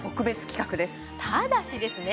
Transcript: ただしですね